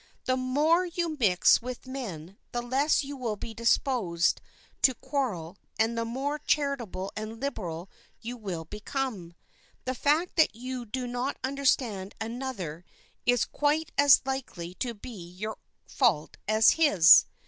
The more you mix with men the less you will be disposed to quarrel, and the more charitable and liberal will you become. The fact that you do not understand another is quite as likely to be your fault as his.